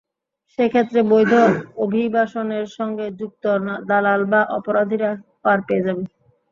সে ক্ষেত্রে অবৈধ অভিবাসনের সঙ্গে যুক্ত দালাল বা অপরাধীরা পার পেয়ে যাবে।